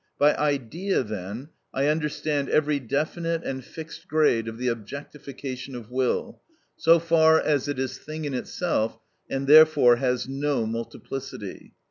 By Idea, then, I understand every definite and fixed grade of the objectification of will, so far as it is thing in itself, and therefore has no multiplicity.